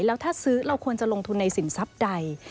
แล้วถ้าซื้อเราควรจะลงทุนในสินทรัพย์ใด